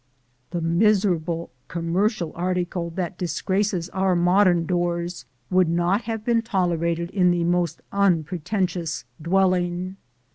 The miserable commercial article that disgraces our modern doors would not have been tolerated in the most unpretentious dwelling.